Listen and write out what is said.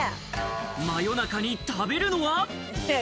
真夜中に食べるのは。